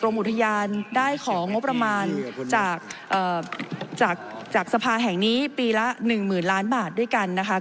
กรมอุทยานได้ของงบประมาณจากเอ่อจากจากสภาแห่งนี้ปีละหนึ่งหมื่นล้านบาทด้วยกันนะคะ